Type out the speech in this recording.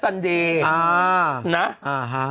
มีนกเฟ็นกวิ้นให้ดูด้วย